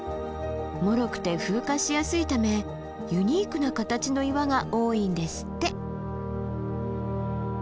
もろくて風化しやすいためユニークな形の岩が多いんですって。